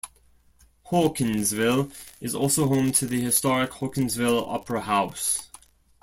Hawkinsville is also home to the historic Hawkinsville Opera House.